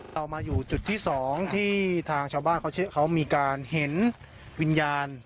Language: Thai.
เรามาอยู่จุดที่สองที่ทางชาวบ้านเขาเชื่อเขามีการเห็นวิญญาณ